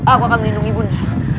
aku akan melindungi bunda